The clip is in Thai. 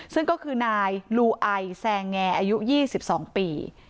ซึ่งก็คือนายลูไอแซงแงอายุ๒๒ปี